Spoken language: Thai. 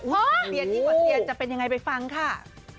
ปรเปียนให้ง่วงเรียนจะเป็นยังไงไปฟังค่ะ